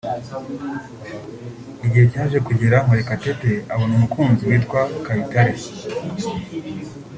Igihe cyaje kugera Murekatete abona umukunzi witwa Kayitare